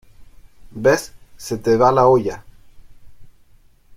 ¿ ves? se te va la olla.